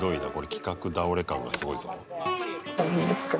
企画倒れ感がすごいぞ。